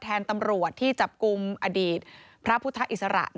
แทนตำรวจที่จับกลุ่มอดีตพระพุทธอิสระ